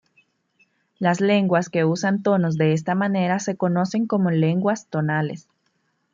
Las lenguas que usan tonos de esta manera se conocen como lenguas tonales.